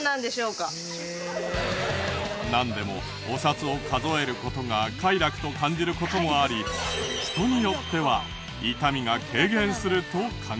なんでもお札を数える事が快楽と感じる事もあり人によっては痛みが軽減すると考えられるそう。